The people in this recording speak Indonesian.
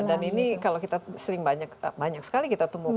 dan ini kalau kita sering banyak sekali kita temukan